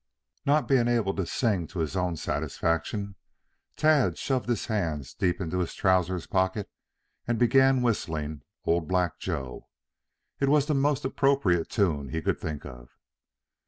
Not being able to sing to his own satisfaction, Tad shoved his hands deep into his trousers pockets and began whistling "Old Black Joe." It was the most appropriate tune he could think of.